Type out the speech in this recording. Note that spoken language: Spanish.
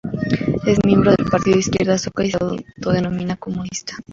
Es miembro del Partido de Izquierda Sueca y se autodenomina comunista.